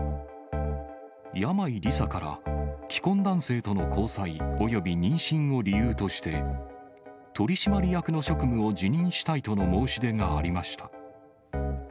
山井梨沙から、既婚男性との交際および妊娠を理由として、取締役の職務を辞任したいとの申し出がありました。